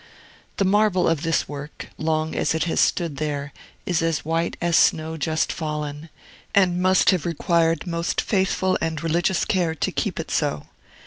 The marble of this work, long as it has stood there, is as white as snow just fallen, and must have required most faithful and religious care to keep it so.